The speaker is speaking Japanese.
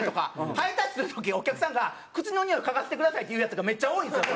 ハイタッチする時お客さんが「口のにおい嗅がせてください」って言うヤツがめっちゃ多いんですよ